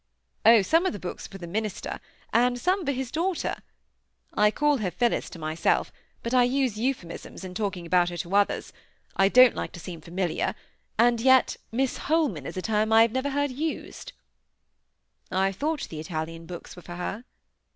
"Oh! some of the books were for the minister, and some for his daughter. (I call her Phillis to myself, but I use euphuisms in speaking about her to others. I don't like to seem familiar, and yet Miss Holman is a term I have never heard used.)" "I thought the Italian books were for her."